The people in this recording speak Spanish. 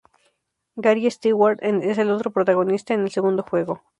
Gary Stewart: Es el otro protagonista en el segundo juego.